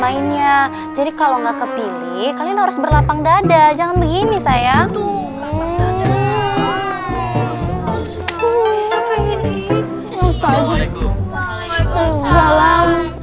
main mainnya jadi kalau enggak kepilih kalian harus berlapang dada jangan begini sayang tuh